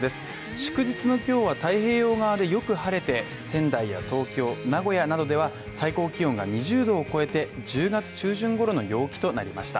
祝日の今日は太平洋側でよく晴れて、仙台や東京、名古屋などでは最高気温が２０℃を超えて、１０月中旬頃の陽気となりました。